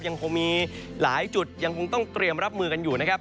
ยังคงมีหลายจุดยังคงต้องเตรียมรับมือกันอยู่นะครับ